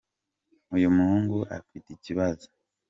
uyumuhungu afitikibazo